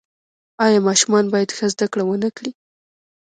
آیا ماشومان باید ښه زده کړه ونکړي؟